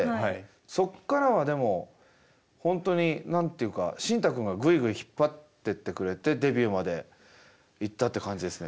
そっからはでも本当に何て言うかシンタくんがグイグイ引っ張ってってくれてデビューまでいったって感じですね。